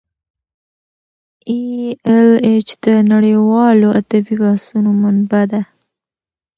ای ایل ایچ د نړیوالو ادبي بحثونو منبع ده.